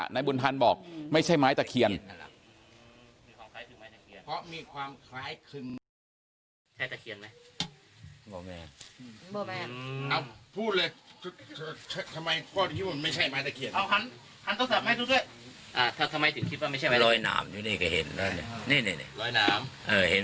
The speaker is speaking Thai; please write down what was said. นายบุญธรรมบอกไม่ใช่ไม้ตะเคียนมีความคล้ายคือไม้ตะเคียน